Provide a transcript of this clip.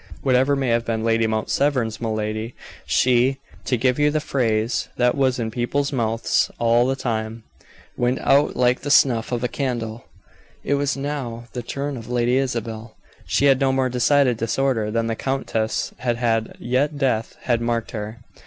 Whatever may have been Lady Mount Severn's malady, she to give you the phrase that was in people's mouth's at the time "went out like the snuff of a candle." It was now the turn of Lady Isabel. She had no more decided disorder than the countess had had, yet death had marked her.